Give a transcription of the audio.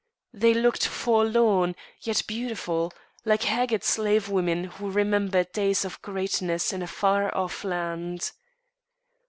They looked forlorn, yet beautiful, like haggard slavewomen who remembered days of greatness in a far off land.